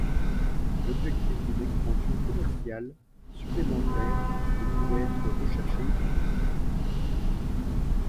L'objectif d'une expansion comerciale supplémentaire ne pouvait être recherché qu'à l'étranger.